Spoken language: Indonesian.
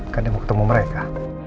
kan dia mau ketemu mereka